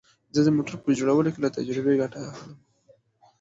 زه د موټرو په جوړولو کې له تجربې ګټه اخلم